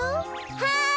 はい！